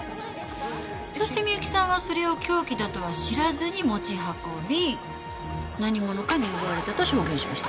そして美由紀さんはそれを凶器だとは知らずに持ち運び何者かに奪われたと証言しました。